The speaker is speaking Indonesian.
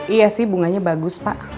iya sih bunganya bagus pak